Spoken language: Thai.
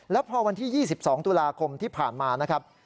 แล้วพอวันที่๒๒ตุลาคมที่ผ่านมานะครับ